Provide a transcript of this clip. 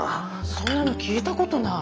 そんなの聞いたことない。